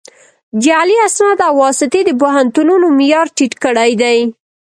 جعلي اسناد او واسطې د پوهنتونونو معیار ټیټ کړی دی